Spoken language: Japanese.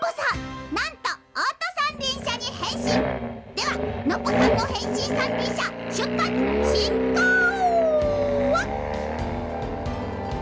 ではノッポさんのへんしんさんりんしゃしゅっぱつしんこう！